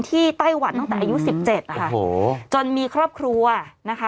ไต้หวันตั้งแต่อายุสิบเจ็ดนะคะโอ้โหจนมีครอบครัวนะคะ